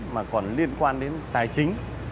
mà còn liên quan đến tài chính